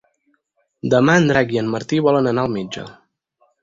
Demà en Drac i en Martí volen anar al metge.